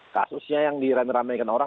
kasusnya yang dirame ramekan orang